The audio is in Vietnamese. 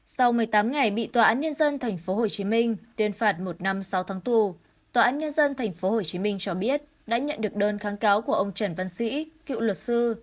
sau một mươi tám ngày bị tòa án nhân dân tp hcm tuyên phạt một năm sáu tháng tù tòa án nhân dân tp hcm cho biết đã nhận được đơn kháng cáo của ông trần văn sĩ cựu luật sư